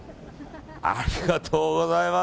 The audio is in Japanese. ありがとうございます。